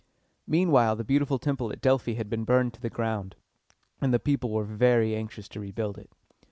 Meanwhile the beautiful temple at Delphi had been burned to the ground, and the people were very anxious to rebuild it.